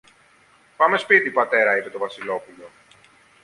Πάμε σπίτι, πατέρα, είπε το Βασιλόπουλο